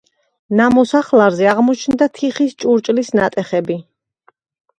ნამოსახლარზე აღმოჩნდა თიხის ჭურჭლის ნატეხები.